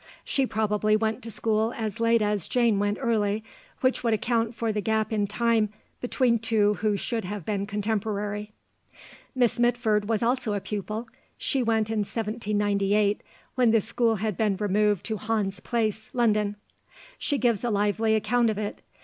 She probably went to school as late as Jane went early, which would account for the gap in time between two who should have been contemporary. Miss Mitford was also a pupil; she went in 1798 when the school had been removed to Hans Place, London. She gives a lively account of it.